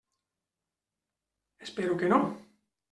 Espero que no.